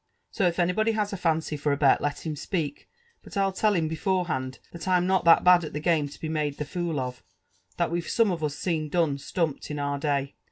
So if anybody has a fancy for a bet, let him speak : but Til tell him before hand, that I'm not that bad at the game to be made the fool of, that we've some of us seen done stumped in oar day.''